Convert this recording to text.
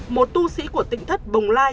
một tu sĩ của tịnh thất bồng lai